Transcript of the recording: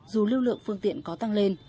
dù lưu lượng phương tiện có tăng lên